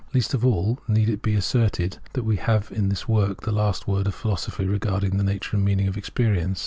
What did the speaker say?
Least of all need it be asserted that we have in this work the last word of philosophy regarding the nature and meaning of experience.